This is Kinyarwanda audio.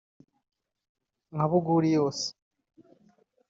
nka Buguli yo se